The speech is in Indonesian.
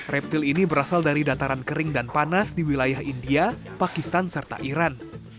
reptil ini berasal dari dataran kering dan panas di wilayah india pakistan serta iran